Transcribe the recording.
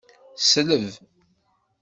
Sleb.